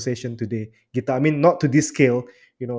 saya maksudnya bukan pada skala ini